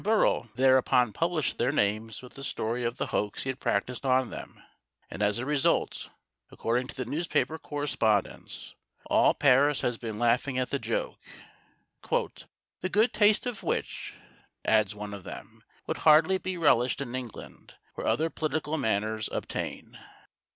Bérault thereupon published their names with the story of the hoax he had practised on them, and as a result, according to the newspaper correspondents, all Paris has been laughing at the joke, "the good taste of which," adds one of them, "would hardly be relished in England, where other political manners obtain."